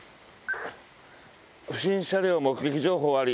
不審車両目撃情報あり。